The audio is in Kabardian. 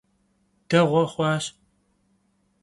Değue xhuaş.